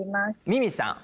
みみさん。